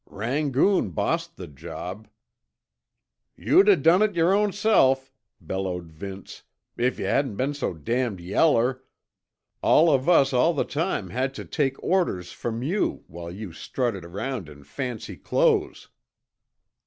"Rangoon bossed the job " "You'd o' done it yer ownself," bellowed Vince, "if yuh hadn't been so damned yeller. All of us all the time had tuh take orders from you while you strutted around in fancy clothes!"